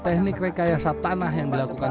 teknik rekayasa tanah yang dilakukan